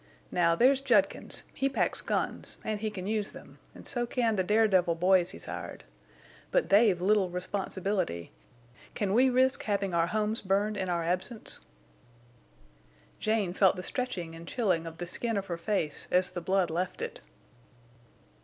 Now there's Judkins, he packs guns, and he can use them, and so can the daredevil boys he's hired. But they've little responsibility. Can we risk having our homes burned in our absence?" Jane felt the stretching and chilling of the skin of her face as the blood left it.